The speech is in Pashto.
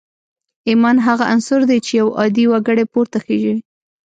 ایمان هغه عنصر دی چې یو عادي وګړی پورته خېژوي